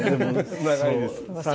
長いです。